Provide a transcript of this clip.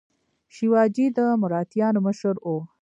شیواجي د مراتیانو مشر و.